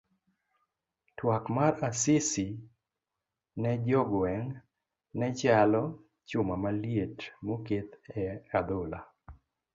Twak mar Asisi ne jo gweng' ne chalo chuma maliet moket e a dhola.